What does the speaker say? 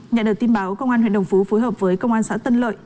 nhận được tin báo công an huyện đồng phú phối hợp với công an xã tân lợi